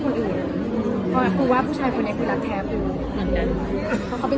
บางจะเมียทุกคนก็จะปิดเทย์คนอื่นกันปะ